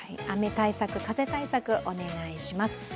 雨対策、風対策、お願いします。